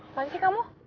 apaan sih kamu